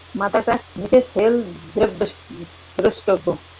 Mother church Mrs Hale দ্রষ্টব্য।